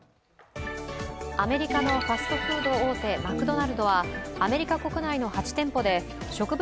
アメリカのファストフード大手、マクドナルドはアメリカ国内の８店舗で植物